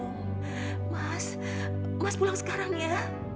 hmm mas mas pulang sekarang ya